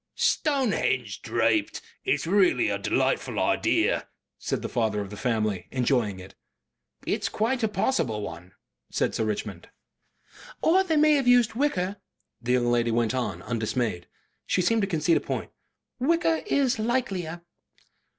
"Stonehenge draped! It's really a delightful idea;" said the father of the family, enjoying it. "It's quite a possible one," said Sir Richmond. "Or they may have used wicker," the young lady went on, undismayed. She seemed to concede a point. "Wicker IS likelier."